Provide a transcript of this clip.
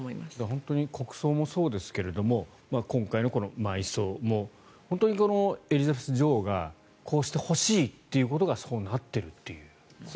本当に国葬もそうですが今回の埋葬も本当にエリザベス女王がこうしてほしいということがそうなっているという。